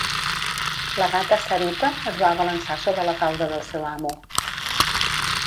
La gata Sarita es va abalançar sobre la falda del seu amo.